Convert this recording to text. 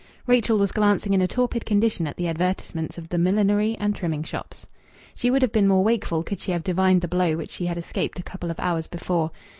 Rachel was glancing in a torpid condition at the advertisements of the millinery and trimming shops. She would have been more wakeful could she have divined the blow which she had escaped a couple of hours before.